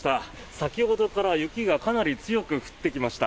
先ほどから雪がかなり強く降ってきました。